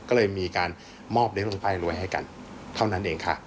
ก็เลยมีการมอบเลี้ยงภายรวยให้กันเท่านั้นเองค่ะ